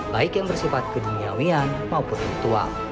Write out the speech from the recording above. baik yang bersifat kejumiawian maupun ritual